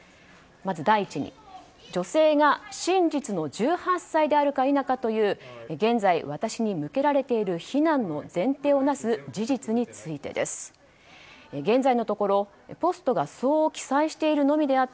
第一に、女性が真実の１８歳であるか否かという現在、私に向けられている非難の前提をなす事実についてです。